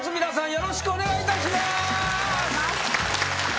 よろしくお願いします。